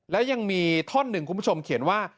แล้วยังมีท่อนหนึ่งคุณผู้ชมเขียนว่า